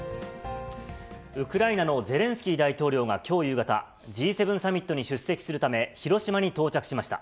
ウクライナのゼレンスキー大統領がきょう夕方、Ｇ７サミットに出席するため、広島に到着しました。